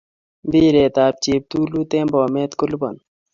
Mpiret ab cheptulut en Bomet kolipani